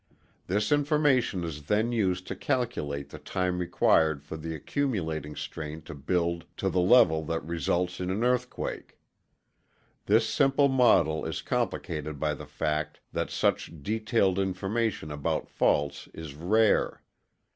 This information is then used to calculate the time required for the accumulating strain to build to the level that results in an earthquake. This simple model is complicated by the fact that such detailed information about faults is rare.